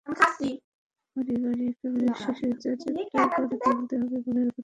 পারস্পরিক বিশ্বাসের চর্চাটা গড়ে তুলতে হবে এবং নিরাপত্তাহীনতার ব্যাপারও তুলে ধরতে হবে।